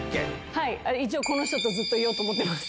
はい、一応、この人とずっといようと思ってます。